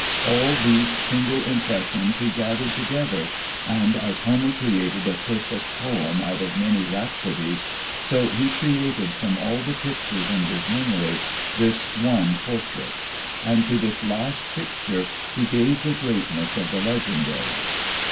All these single impressions he gathered together, and as Homer created a perfect poem out of many rhapsodies, so he created from all the pictures in his memory, this one portrait. And to this last picture he gave the greatness of the legendary.